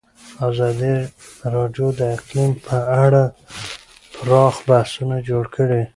ازادي راډیو د اقلیم په اړه پراخ بحثونه جوړ کړي.